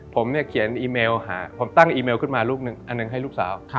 ผมเนี่ยเขียนอีเมลหาผมตั้งอีเมลขึ้นมาลูกหนึ่งอันหนึ่งให้ลูกสาว